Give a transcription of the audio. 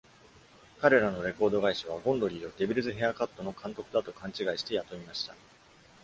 彼らのレコード会社はゴンドリーを「デビルズ・ヘアカット」の監督だと勘違いして雇いました。